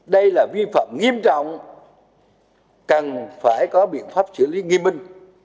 đây là vi phạm nghiêm trọng cần phải có biện pháp xử lý nghiêm minh